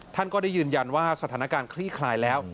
ท่านก็ได้ยืนยันว่าสถานการณ์คลี่คลายแล้ว